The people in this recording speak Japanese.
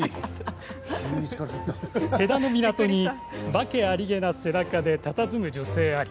戸田の港に、訳ありげな背中でたたずむ女性あり。